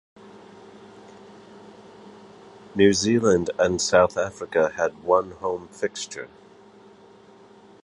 New Zealand and South Africa had one home fixture.